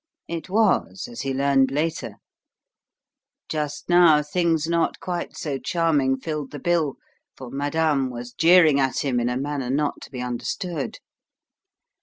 It was as he learned later. Just now things not quite so charming filled the bill, for madame was jeering at him in a manner not to be understood.